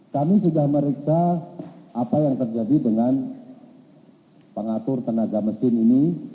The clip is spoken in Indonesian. kami sudah meriksa apa yang terjadi dengan pengatur tenaga mesin ini